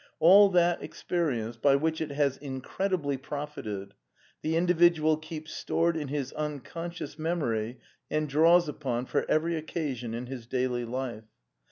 All that experience (by which it has incredibly profited) the individual keeps stored in his unconscious memory and draws upon for every occasion in his daily life.